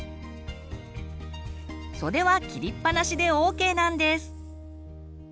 袖は切りっぱなしでＯＫなんです！